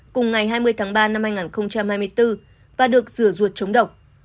cùng ngày hai mươi tháng ba năm hai nghìn hai mươi bốn và được rửa ruột chống độc